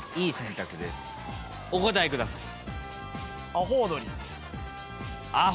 お答えください。